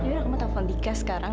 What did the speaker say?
ya kamu telfon dika sekarang